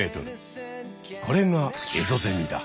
これがエゾゼミだ！